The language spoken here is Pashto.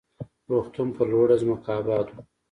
روغتون پر لوړه ځمکه اباد و.